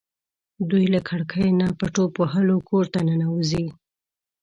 دوی له کړکیو نه په ټوپ وهلو کور ته ننوځي.